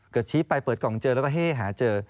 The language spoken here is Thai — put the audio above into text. ก็ชี้ไปเปิดกล่องเจอแล้วก็เฮ่หาเจอ